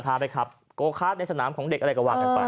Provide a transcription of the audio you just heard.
พาไปขับโกคาร์ดในสนามของเด็กอะไรก็ว่ากันไป